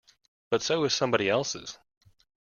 But so is somebody else's.